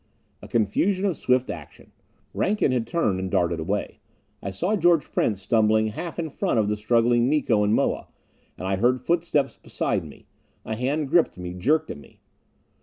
A confusion of swift action. Rankin had turned and darted away. I saw George Prince stumbling half in front of the struggling Miko and Moa. And I heard footsteps beside me; a hand gripped me, jerked at me.